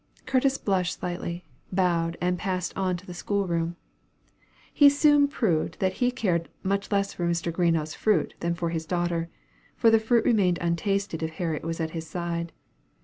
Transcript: Curtis blushed slightly, bowed, and passed on to the school room. He soon proved that he cared much less for Mr. Greenough's fruit than for his daughter: for the fruit remained untasted if Harriet was at his side.